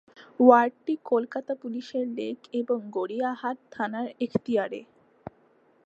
ওয়ার্ডটি কলকাতা পুলিশের লেক এবং গড়িয়াহাট থানার এখতিয়ারে।